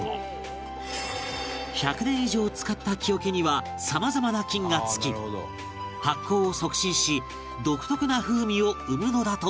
１００年以上使った木桶には様々な菌がつき発酵を促進し独特な風味を生むのだという